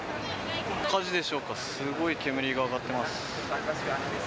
火事でしょうか、すごい煙が上がってます。